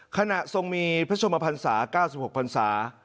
ทรงมีพระชมพันศา๙๖พันศา